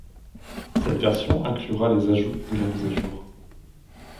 Cette version inclura les ajouts de la mise à jour '.